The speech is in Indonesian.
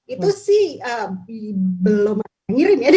itu sih belum mengingin ya